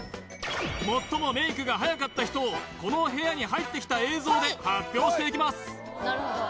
最もメイクが早かった人をこの部屋に入ってきた映像で発表していきます